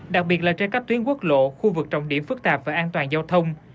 đặc biệt là trên các tuyến quốc lộ khu vực trọng điểm phức tạp và an toàn giao thông